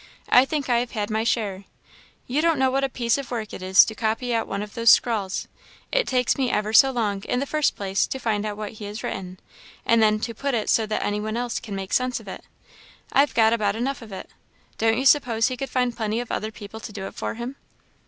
I think I have had my share. You don't know what a piece of work it is to copy out one of those scrawls. It takes me ever so long, in the first place, to find out what he has written, and then to put it so that any one else can make sense of it I've got about enough of it. Don't you suppose he could find plenty of other people to do it for him?"